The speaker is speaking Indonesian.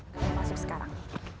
kamu masuk sekarang